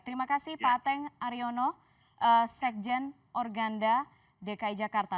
terima kasih pak ateng aryono sekjen organda dki jakarta